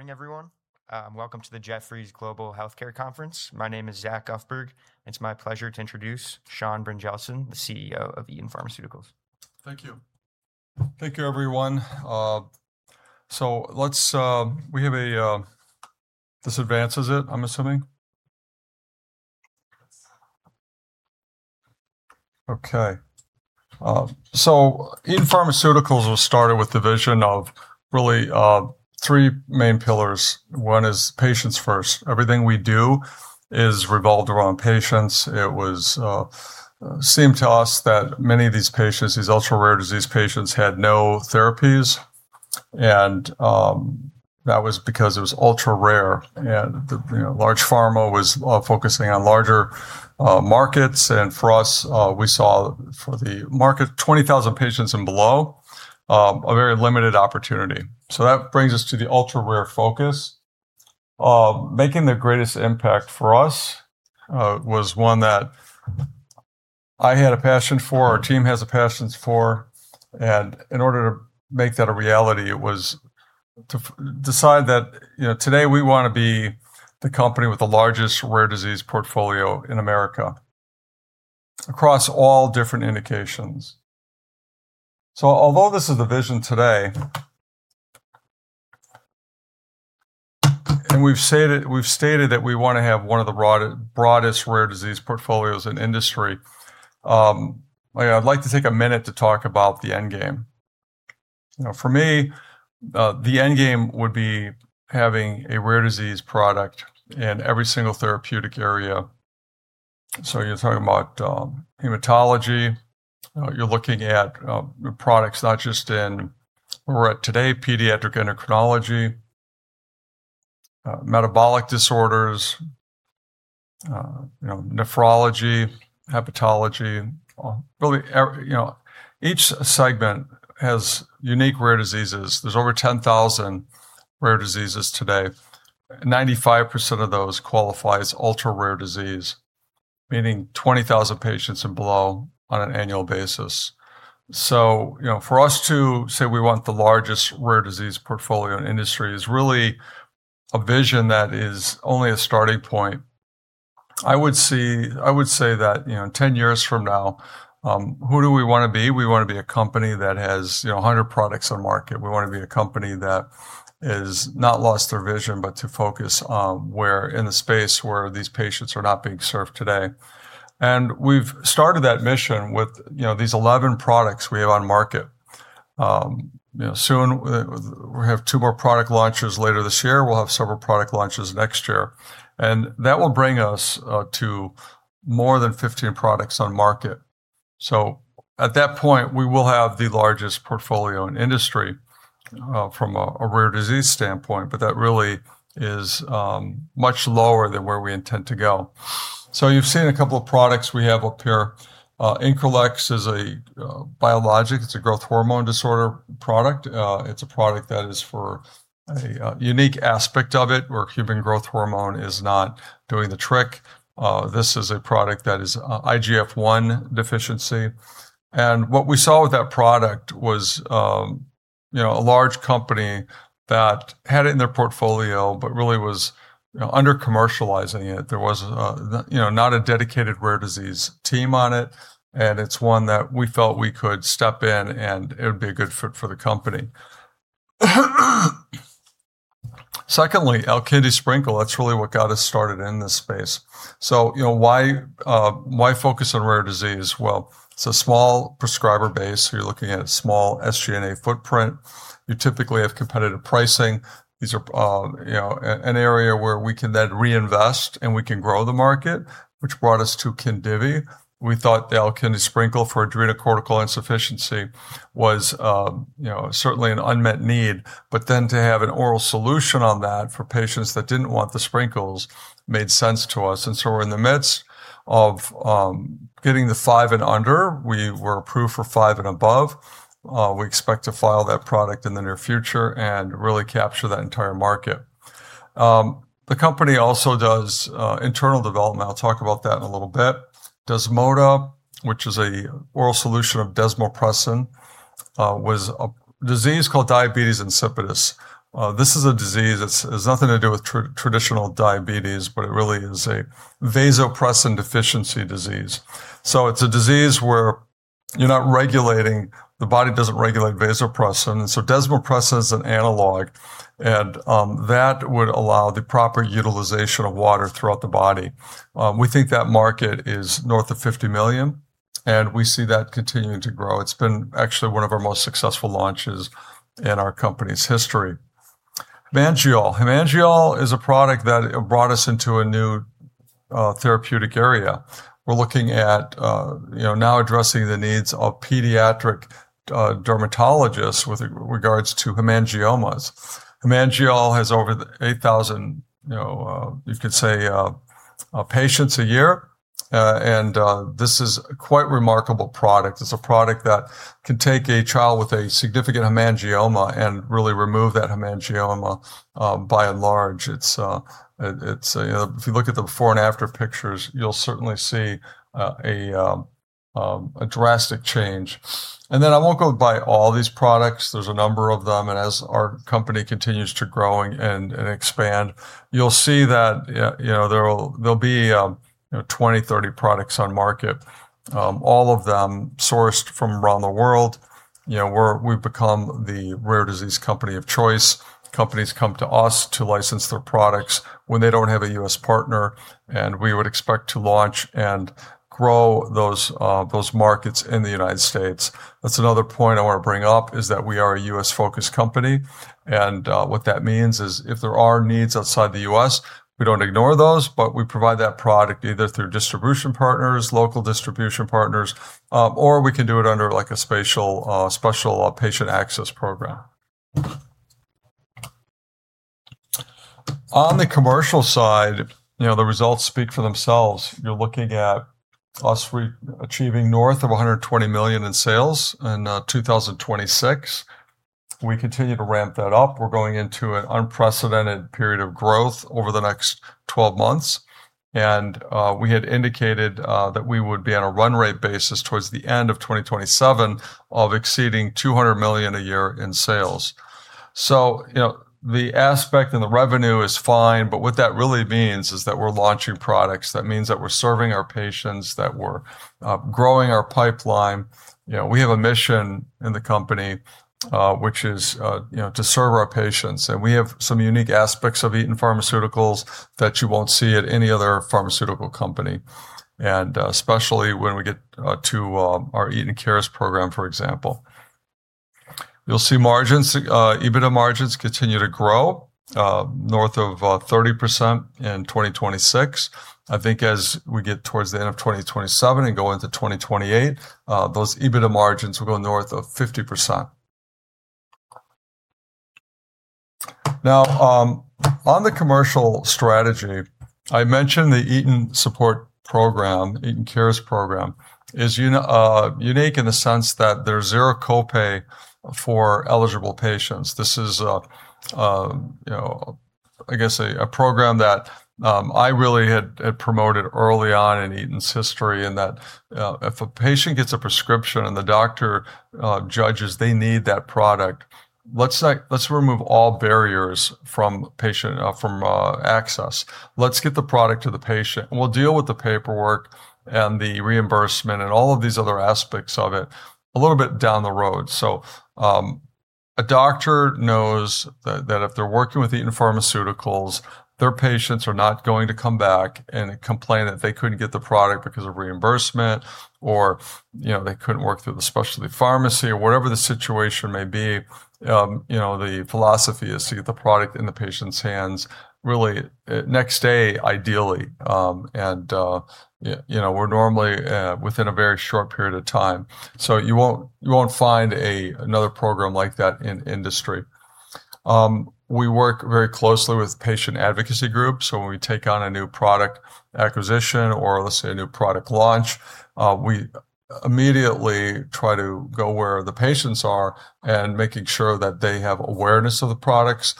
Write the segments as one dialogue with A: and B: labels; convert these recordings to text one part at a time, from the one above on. A: Good morning, everyone. Welcome to the Jefferies Global Healthcare Conference. My name is Zach Guffberg, and it's my pleasure to introduce Sean Brynjelsen, the CEO of Eton Pharmaceuticals.
B: Thank you. Thank you, everyone. This advances it, I'm assuming. Okay. Eton Pharmaceuticals was started with the vision of really three main pillars. One is patient first. Everything we do is revolved around patients. It seemed to us that many of these patients, these ultra-rare disease patients, had no therapies, and that was because it was ultra-rare, and large pharma was focusing on larger markets. For us, we saw for the market 20,000 patients and below, a very limited opportunity. That brings us to the ultra-rare focus. Making the greatest impact for us was one that I had a passion for, our team has a passion for. In order to make that a reality, it was decided that today we want to be the company with the largest rare disease portfolio in America across all different indications. Although this is the vision today, and we've stated that we want to have one of the broadest rare disease portfolios in the industry, I'd like to take a minute to talk about the end game. For me, the end game would be having a rare disease product in every single therapeutic area. You're talking about hematology. You're looking at products not just in where we're at today, pediatric endocrinology, metabolic disorders, nephrology, hepatology. Each segment has unique rare diseases. There's over 10,000 rare diseases today. 95% of those qualify as ultra-rare disease, meaning 20,000 patients and below on an annual basis. For us to say we want the largest rare disease portfolio in the industry is really a vision that is only a starting point. I would say that 10 years from now, who do we want to be? We want to be a company that has 100 products on the market. We want to be a company that has not lost their vision, but to focus on the space where these patients are not being served today. We've started that mission with these 11 products we have on the market. Soon, we will have two more product launches later this year. We'll have several product launches next year, and that will bring us to more than 15 products on the market. At that point, we will have the largest portfolio in the industry from a rare disease standpoint, but that really is much lower than where we intend to go. You've seen a couple of products we have up here. INCRELEX is a biologic. It's a growth hormone disorder product. It's a product that is for a unique aspect of it, where human growth hormone is not doing the trick. This is a product that is IGF-1 deficiency. What we saw with that product was a large company that had it in its portfolio, but really was under-commercializing it. There was not a dedicated rare disease team on it, and it's one that we felt we could step in and it would be a good fit for the company. Secondly, ALKINDI SPRINKLE, that's really what got us started in this space. Why focus on rare disease? Well, it's a small prescriber base. You're looking at a small SG&A footprint. You typically have competitive pricing. These are an area where we can then reinvest, and we can grow the market, which brought us to KHINDIVI. We thought the ALKINDI SPRINKLE for adrenocortical insufficiency was certainly an unmet need, but then to have an oral solution on that for patients that didn't want the sprinkles made sense to us. We're in the midst of getting the five and under. We were approved for five and above. We expect to file that product in the near future and really capture that entire market. The company also does internal development. I'll talk about that in a little bit. DESMODA, which is an oral solution of desmopressin, was a disease called diabetes insipidus. This is a disease that has nothing to do with traditional diabetes, but it really is a vasopressin deficiency disease. It's a disease where the body doesn't regulate vasopressin, and so desmopressin is an analog, and that would allow the proper utilization of water throughout the body. We think that the market is north of $50 million. We see that continuing to grow. It's actually been one of our most successful launches in our company's history. HEMANGEOL. HEMANGEOL is a product that brought us into a new therapeutic area. We're looking at now addressing the needs of pediatric dermatologists with regard to hemangiomas. HEMANGEOL has over 8,000, you could say, patients a year. This is quite remarkable product. It's a product that can take a child with a significant hemangioma and really remove that hemangioma by and large. If you look at the before and after pictures, you'll certainly see a drastic change. I won't go by all these products. There's a number of them. As our company continues to grow and expand, you'll see that there'll be 20 to 30 products on the market. All of them sourced from around the world. We've become the rare disease company of choice. Companies come to us to license their products when they don't have a U.S. partner, and we would expect to launch and grow those markets in the United States. That's another point I want to bring up, is that we are a U.S.-focused company, and what that means is if there are needs outside the U.S., we don't ignore those, but we provide that product either through distribution partners, local distribution partners, or we can do it under a special patient access program. On the commercial side, the results speak for themselves. You're looking at us achieving north of $120 million in sales in 2026. We continue to ramp that up. We're going into an unprecedented period of growth over the next 12 months. We had indicated that we would be on a run rate basis, towards the end of 2027, of exceeding $200 million a year in sales. The aspect and the revenue is fine, but what that really means is that we're launching products. That means that we're serving our patients, that we're growing our pipeline. We have a mission in the company, which is to serve our patients. We have some unique aspects of Eton Pharmaceuticals that you won't see at any other pharmaceutical company, especially when we get to our Eton Cares program, for example. You'll see EBITDA margins continue to grow north of 30% in 2026. I think as we get towards the end of 2027 and go into 2028, those EBITDA margins will go north of 50%. On the commercial strategy, I mentioned the Eton Support Program. Eton Cares program is unique in the sense that there's zero copay for eligible patients. This is, I guess, a program that I really had promoted early on in Eton's history, in that if a patient gets a prescription and the doctor judges they need that product, let's remove all barriers from access. Let's get the product to the patient. We'll deal with the paperwork and the reimbursement and all of these other aspects of it a little bit down the road. A doctor knows that if they're working with Eton Pharmaceuticals, their patients are not going to come back and complain that they couldn't get the product because of reimbursement, or they couldn't work through the specialty pharmacy, or whatever the situation may be. The philosophy is to get the product in the patient's hands, ideally, the next day. We're normally within a very short period of time. You won't find another program like that in the industry. We work very closely with patient advocacy groups, so when we take on a new product acquisition or let's say a new product launch, we immediately try to go where the patients are and making sure that they have awareness of the products.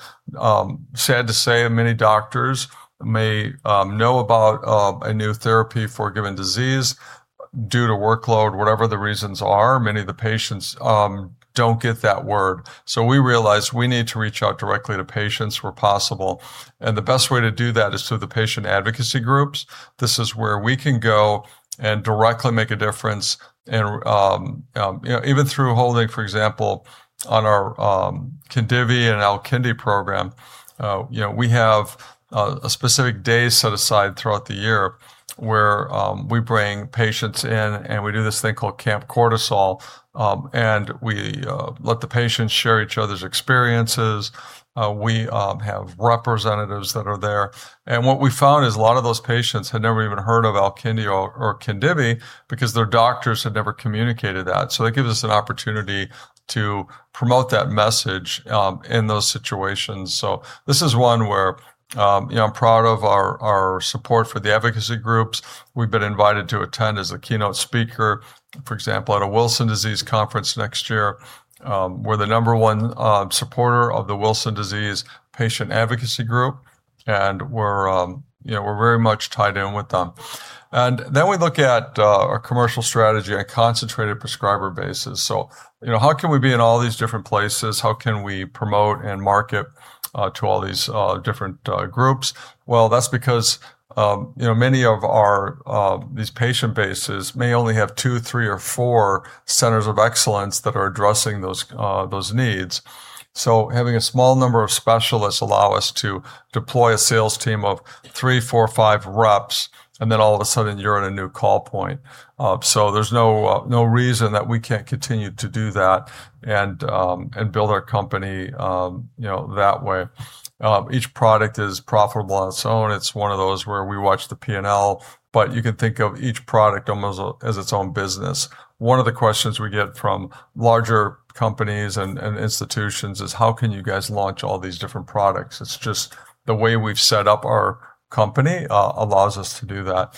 B: Sad to say, many doctors may know about a new therapy for a given disease due to workload, whatever the reasons are. Many of the patients don't get that word. We realize we need to reach out directly to patients where possible, and the best way to do that is through the patient advocacy groups. This is where we can go and directly make a difference. Even through holding, for example, on our KHINDIVI and ALKINDI program, we have a specific day set aside throughout the year where we bring patients in, and we do this thing called Camp Cortisol, and we let the patients share each other's experiences. We have representatives who are there. What we found is a lot of those patients had never even heard of ALKINDI or KHINDIVI because their doctors had never communicated that. That gives us an opportunity to promote that message in those situations. This is one where I'm proud of our support for the advocacy groups. We've been invited to attend as a keynote speaker, for example, at a Wilson disease conference next year. We're the number one supporter of the Wilson disease patient advocacy group, and we're very much tied in with them. We look at our commercial strategy on a concentrated prescriber basis. How can we be in all these different places? How can we promote and market to all these different groups? That's because many of these patient bases may only have two, three, or four centers of excellence that are addressing those needs. Having a small number of specialists allows us to deploy a sales team of three, four, five reps, and then all of a sudden you're in a new call point. There's no reason that we can't continue to do that and build our company that way. Each product is profitable on its own. It's one of those where we watch the P&L, but you can think of each product almost as its own business. One of the questions we get from larger companies and institutions is, "How can you guys launch all these different products?" It's just the way we've set up our company allows us to do that.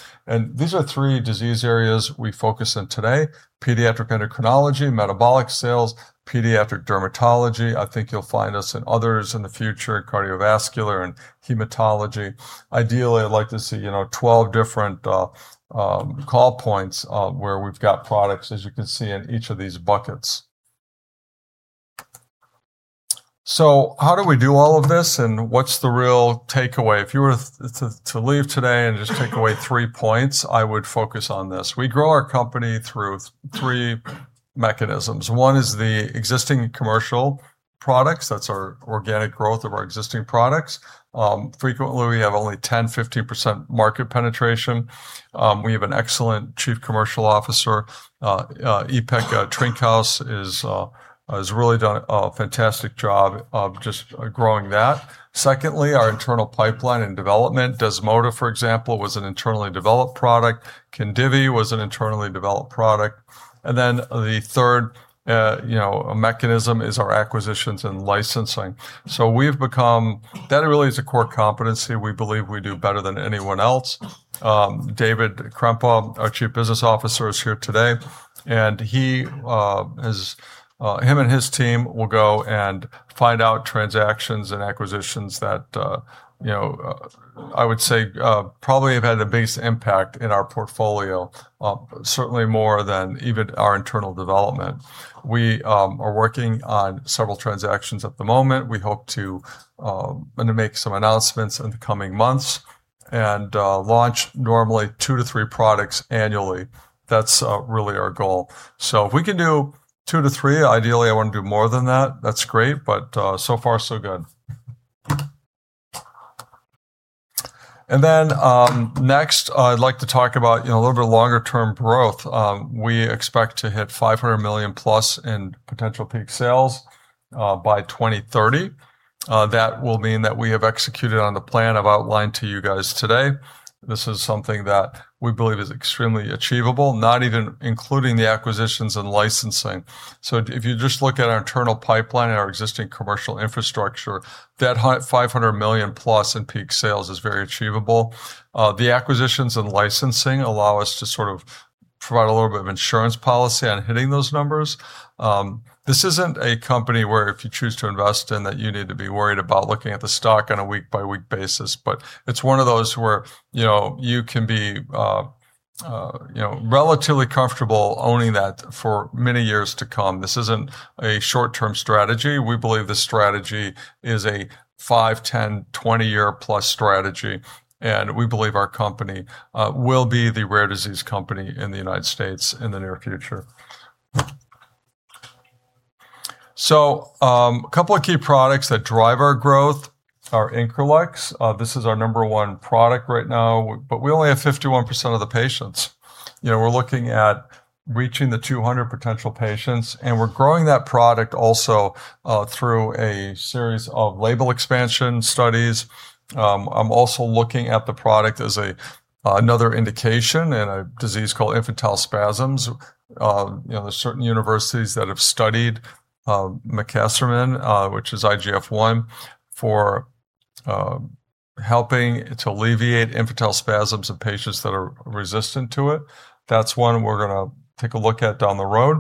B: These are three disease areas we focus in today. Pediatric endocrinology, metabolic sales, pediatric dermatology. I think you'll find us in others in the future, in cardiovascular and hematology. Ideally, I'd like to see 12 different call points where we've got products, as you can see in each of these buckets. How do we do all of this, and what's the real takeaway? If you were to leave today and just take away three points, I would focus on this. We grow our company through three mechanisms. One is the existing commercial products. That's our organic growth of our existing products. Frequently, we have only 10%, 15% market penetration. We have an excellent Chief Commercial Officer. Ipek Erdogan-Trinkaus has really done a fantastic job of just growing that. Secondly, our internal pipeline and development. DESMODA, for example, was an internally developed product. KHINDIVI was an internally developed product. The third mechanism is our acquisitions and licensing. That really is a core competency we believe we do better than anyone else. David Krempa, our Chief Business Officer, is here today, and he and his team will go and find out transactions and acquisitions that, I would say, probably have had the biggest impact in our portfolio, certainly more than even our internal development. We are working on several transactions at the moment. We hope to make some announcements in the coming months and launch normally two to three products annually. That's really our goal. If we can do two to three, ideally, I want to do more than that. That's great, but so far so good. Next, I'd like to talk about a little bit of longer-term growth. We expect to hit $500+ million in potential peak sales by 2030. That will mean that we have executed on the plan I've outlined to you guys today. This is something that we believe is extremely achievable, not even including the acquisitions and licensing. If you just look at our internal pipeline and our existing commercial infrastructure, that $500+ million in peak sales is very achievable. The acquisitions and licensing allow us to sort of provide a little bit of insurance policy on hitting those numbers. This isn't a company where, if you choose to invest in, that you need to be worried about looking at the stock on a week-by-week basis. It's one of those where you can be relatively comfortable owning that for many years to come. This isn't a short-term strategy. We believe this strategy is a five, 10, 20+-year strategy, and we believe our company will be the rare disease company in the U.S. in the near future. A couple of key products that drive our growth are INCRELEX. This is our number one product right now, but we only have 51% of the patients. We're looking at reaching the 200 potential patients, and we're growing that product also, through a series of label expansion studies. I'm also looking at the product as another indication in a disease called infantile spasms. There's certain universities that have studied mecasermin, which is IGF-1, for helping to alleviate infantile spasms in patients that are resistant to it. That's one we're going to take a look at down the road.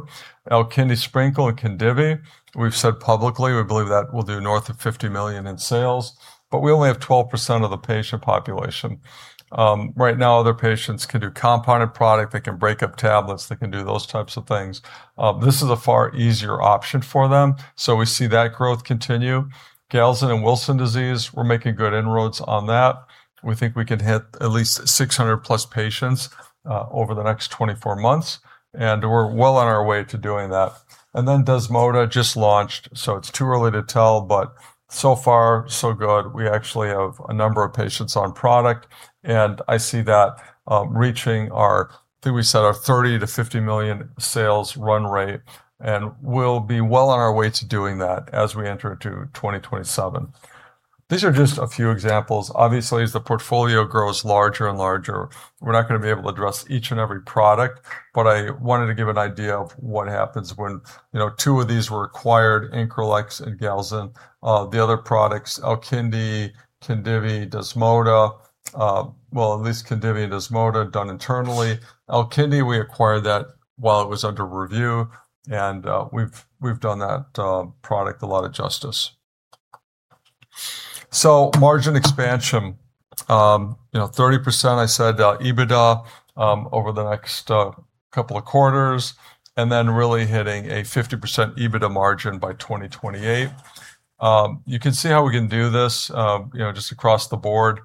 B: ALKINDI SPRINKLE and KHINDIVI, we've said publicly we believe that we'll do north of $50 million in sales, but we only have 12% of the patient population. Right now, other patients can do a compounded product. They can break up tablets. They can do those types of things. This is a far easier option for them. We see that growth continues. Galzin and Wilson disease, we're making good inroads on that. We think we can hit at least 600+ patients over the next 24 months, and we're well on our way to doing that. DESMODA just launched, so it's too early to tell, but so far so good. We actually have a number of patients on product, and I see that reaching our, I think we said our $30 million-$50 million sales run rate, and we'll be well on our way to doing that as we enter into 2027. These are just a few examples. Obviously, as the portfolio grows larger and larger, we're not going to be able to address each and every product. I wanted to give an idea of what happens when two of these were acquired, INCRELEX and Galzin. The other products, ALKINDI, KHINDIVI, DESMODA, well, at least KHINDIVI and DESMODA are done internally. ALKINDI, we acquired that while it was under review, and we've done that product a lot of justice. Margin expansion. 30%, I said, EBITDA over the next couple of quarters, and then really hitting a 50% EBITDA margin by 2028. You can see how we can do this just across the board.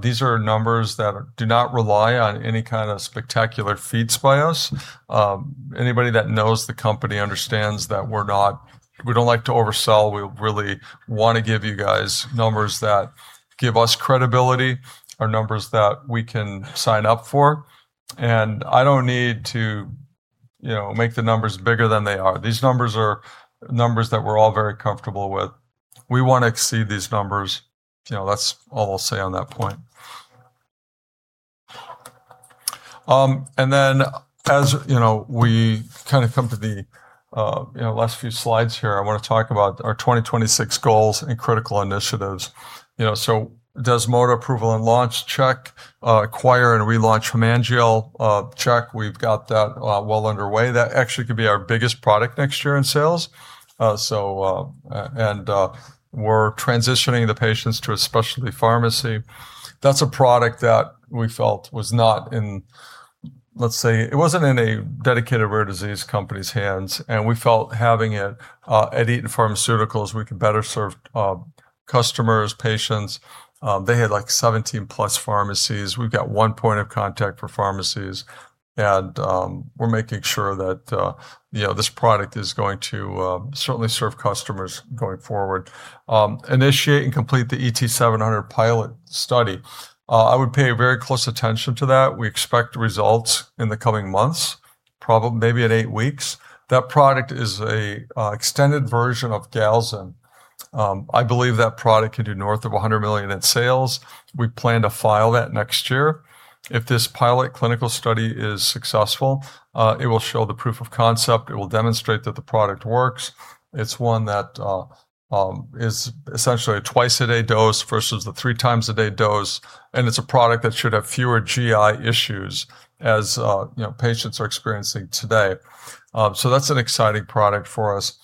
B: These are numbers that do not rely on any kind of spectacular feats by us. Anybody who knows the company understands that we don't like to oversell. We really want to give you guys numbers that give us credibility or numbers that we can sign up for. I don't need to make the numbers bigger than they are. These numbers are numbers that we're all very comfortable with. We want to exceed these numbers. That's all I'll say on that point. As we come to the last few slides here, I want to talk about our 2026 goals and critical initiatives. DESMODA approval and launch, check. Acquire and relaunch HEMANGEOL, check. We've got that well underway. That actually could be our biggest product next year in sales. We're transitioning the patients to a specialty pharmacy. That's a product that we felt was not in, let's say, it wasn't in a dedicated rare disease company's hands, and we felt having it at Eton Pharmaceuticals, we could better serve customers, patients. They had 17+ pharmacies. We've got one point of contact for pharmacies, and we're making sure that this product is going to certainly serve customers going forward. Initiate and complete the ET-700 pilot study. I would pay very close attention to that. We expect results in the coming months, maybe in eight weeks. That product is an extended version of Galzin. I believe that product can do north of $100 million in sales. We plan to file that next year. If this pilot clinical study is successful, it will show the proof of concept. It will demonstrate that the product works. It's one that is essentially a twice-a-day dose versus the three times a day dose, and it's a product that should have fewer GI issues as patients are experiencing today. That's an exciting product for us.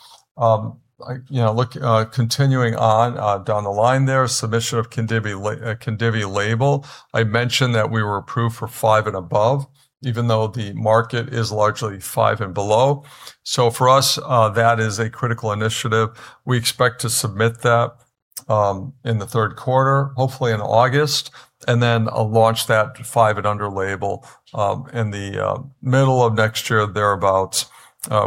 B: Continuing on down the line there, submission of the KHINDIVI label. I mentioned that we were approved for five and above, even though the market is largely five and below. For us, that is a critical initiative. We expect to submit that in the third quarter, hopefully in August, and then launch that five and under label in the middle of next year, thereabout.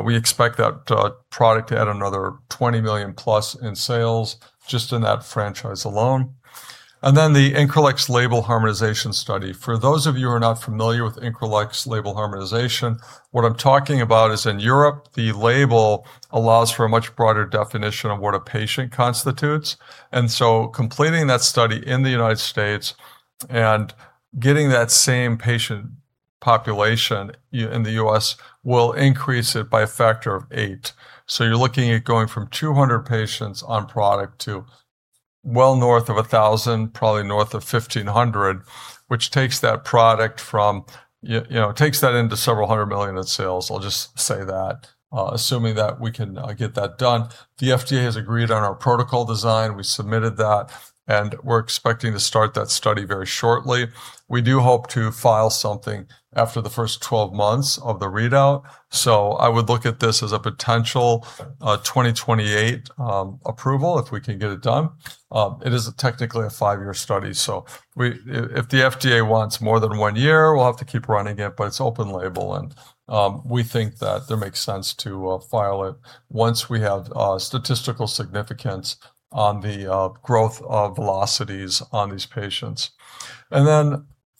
B: We expect that product to add another $20+ million in sales just in that franchise alone. The INCRELEX label harmonization study. For those of you who are not familiar with INCRELEX label harmonization, what I'm talking about is in Europe, the label allows for a much broader definition of what a patient constitutes. Completing that study in the U.S. and getting that same patient population in the U.S. will increase it by a factor of eight. You're looking at going from 200 patients on product to well north of 1,000, probably north of 1,500. Which takes that product into several hundred million in sales. I'll just say that, assuming that we can get that done. The FDA has agreed on our protocol design. We submitted that, and we're expecting to start that study very shortly. We do hope to file something after the first 12 months of the readout. I would look at this as a potential 2028 approval if we can get it done. It is technically a five-year study. If the FDA wants more than one year, we'll have to keep running it, but it's open-label, and we think that it makes sense to file it once we have statistical significance on the growth of velocities on these patients.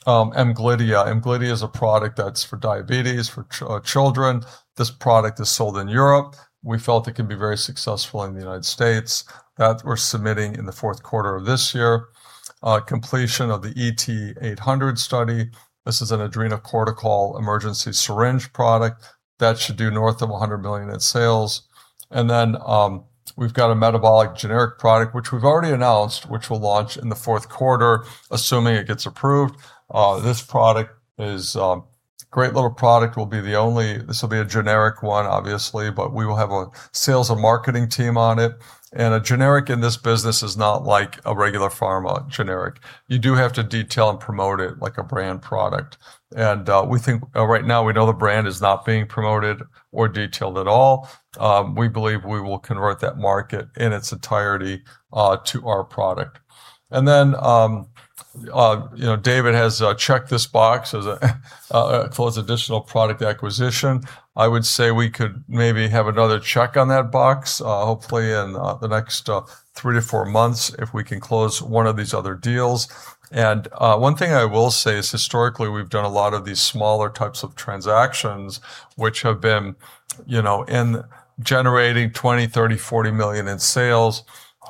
B: Amglidia. Amglidia is a product that's for diabetes for children. This product is sold in Europe. We felt it could be very successful in the United States. That, we're submitting in the fourth quarter of this year. Completion of the ET-800 study. This is an adrenocortical emergency syringe product that should do north of $100 million in sales. We've got a metabolic generic product, which we've already announced, which we'll launch in the fourth quarter, assuming it gets approved. This product is a great little product. This will be a generic one, obviously, but we will have a sales and marketing team on it. A generic in this business is not like a regular pharma generic. You do have to detail and promote it like a brand product. Right now, we know the brand is not being promoted or detailed at all. We believe we will convert that market in its entirety to our product. David has checked this box as a close additional product acquisition. I would say we could maybe have another check on that box, hopefully in the next three to four months if we can close one of these other deals. One thing I will say is that historically, we've done a lot of these smaller types of transactions, which have been generating $20 million, $30 million, $40 million in sales.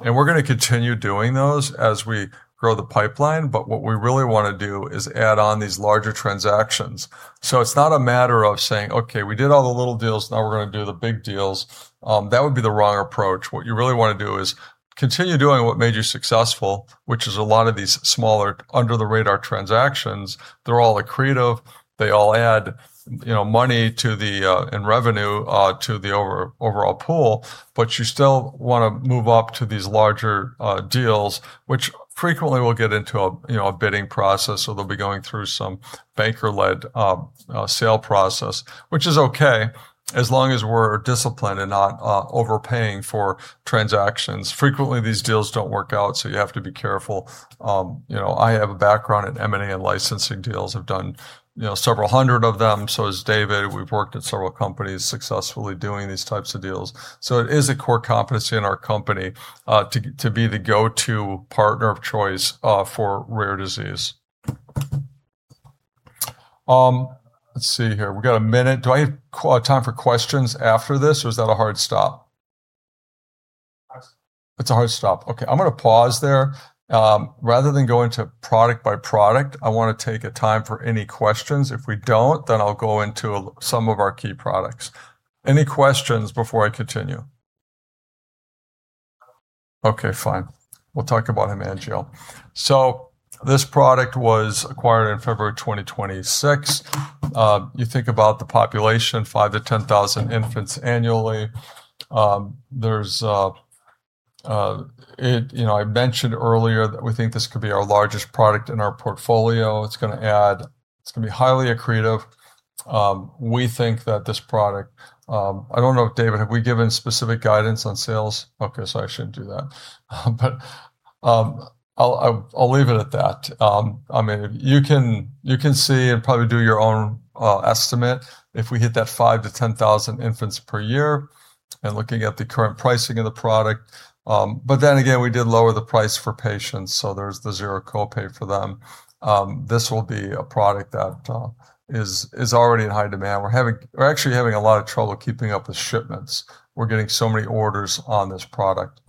B: We're going to continue doing those as we grow the pipeline, but what we really want to do is add on these larger transactions. It's not a matter of saying, "Okay, we did all the little deals, now we're going to do the big deals." That would be the wrong approach. What you really want to do is continue doing what made you successful, which is a lot of these smaller under-the-radar transactions. They're all accretive; they all add money and revenue to the overall pool, but you still want to move up to these larger deals, which frequently will get into a bidding process. They'll be going through some banker-led sale process, which is okay as long as we're disciplined and not overpaying for transactions. Frequently, these deals don't work out, so you have to be careful. I have a background in M&A and licensing deals. I've done several hundred of them. So has David. We've worked at several companies successfully doing these types of deals. It is a core competency in our company to be the go-to partner of choice for rare diseases. Let's see here. We've got a minute. Do I have time for questions after this, or is that a hard stop?
A: Hard stop.
B: It's a hard stop. Okay, I'm going to pause there. Rather than go into product by product, I want to take a time for any questions. If we don't, I'll go into some of our key products. Any questions before I continue? Okay, fine. We'll talk about HEMANGEOL. This product was acquired in February 2026. You think about the population, 5,000-10,000 infants annually. I mentioned earlier that we think this could be our largest product in our portfolio. It's going to be highly accretive. We think that this product, I don't know, David, have we given specific guidance on sales? Okay, I shouldn't do that. I'll leave it at that. You can see and probably do your own estimate if we hit that 5,000-10,000 infants per year, and looking at the current pricing of the product. We did lower the price for patients, so there's the zero copay for them. This will be a product that is already in high demand. We're actually having a lot of trouble keeping up with shipments. We're getting so many orders on this product.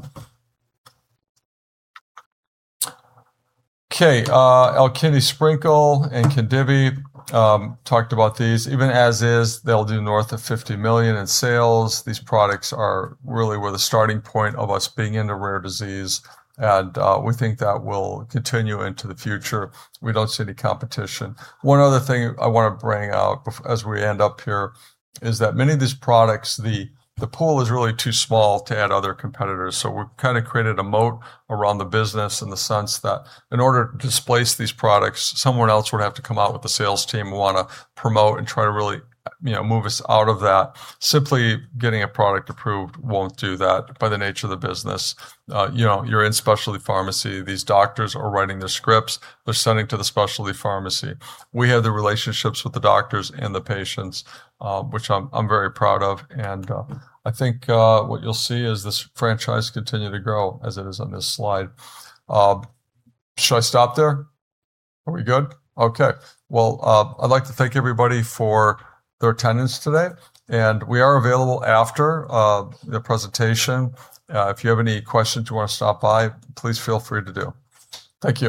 B: ALKINDI SPRINKLE and KHINDIVI talked about these. Even as is, they'll do north of $50 million in sales. These products are really where the starting point of us being into rare disease, and we think that will continue into the future. We don't see any competition. One other thing I want to bring out as we end up here is that many of these products, the pool is really too small to add other competitors. We've kind of created a moat around the business in the sense that in order to displace these products, someone else would have to come out with a sales team who want to promote and try to really move us out of that. Simply getting a product approved won't do that by the nature of the business. You're in a specialty pharmacy. These doctors are writing their scripts, and they're sending to the specialty pharmacy. We have relationships with the doctors and the patients, which I'm very proud of. I think what you'll see is this franchise continue to grow as it is on this slide. Should I stop there? Are we good? Okay. Well, I'd like to thank everybody for their attendance today, and we are available after the presentation. If you have any questions, you want to stop by, please feel free to do so. Thank you